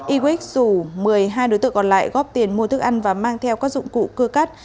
y wic rủ một mươi hai đối tượng còn lại góp tiền mua thức ăn và mang theo các dụng cụ cưa cắt